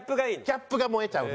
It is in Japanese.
ギャップが萌えちゃう。